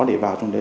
để vào trong đấy